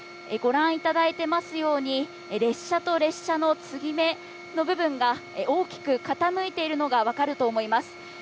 ご覧いただいていますように列車と列車の継ぎ目の部分が大きく傾いているのがわかるかと思います。